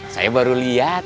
saya baru lihat